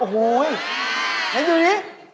เห็นดูนี้